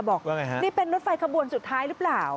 บอกนี่เป็นรถไฟขบวนสุดท้ายหรือเปล่า